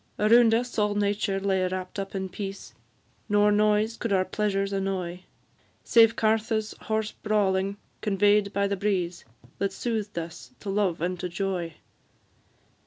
Around us all nature lay wrapt up in peace, Nor noise could our pleasures annoy, Save Cartha's hoarse brawling, convey'd by the breeze, That soothed us to love and to joy.